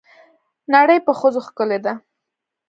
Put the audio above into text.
نړۍ په ښځو ښکلې ده.